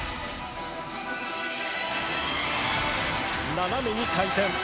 斜めに回転。